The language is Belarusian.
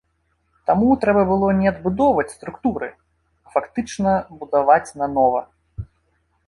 Таму трэба было не адбудоўваць структуры, а фактычна будаваць нанова.